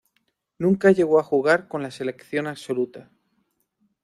Nunca llegó a jugar con la selección absoluta.